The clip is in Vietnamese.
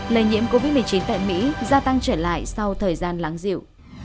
lây nhiễm covid một mươi chín tại mỹ gia tăng trở lại sau thời gian lắng dịu